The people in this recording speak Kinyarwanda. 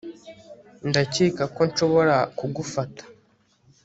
ndakeka ko nshobora kugufata